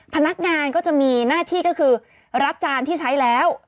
พนักงานก็จะมีหน้าที่ก็คือรับจานที่ใช้แล้ว